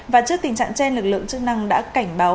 và trước tình trạng trên lực lượng chức năng đã cảnh báo